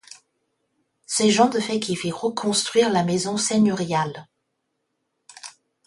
C'est Jean de Fay qui fit reconstruire la maison seigneuriale.